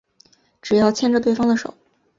只要牵着对方的手